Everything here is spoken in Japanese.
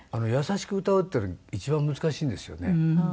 優しく歌うっていうの一番難しいんですよね。